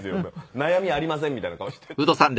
悩みありませんみたいな顔してるんですけど。